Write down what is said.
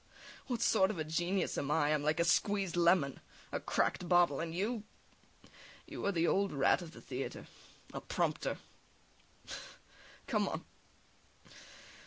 What sort of a genius am I? I'm like a squeezed lemon, a cracked bottle, and you you are the old rat of the theatre ... a prompter! Come on!